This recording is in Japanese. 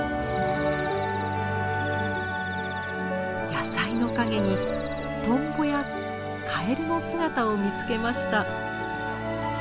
野菜の陰にトンボやカエルの姿を見つけました。